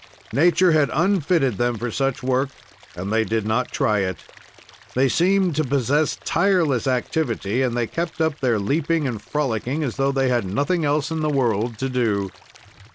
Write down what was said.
Nature had unfitted them for such work, and they did not try it. They seemed to possess tireless activity, and they kept up their leaping and frolicing as though they had nothing else in the world to do.